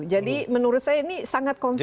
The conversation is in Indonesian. jadi menurut saya ini sangat konsisten